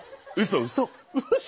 うそうそ！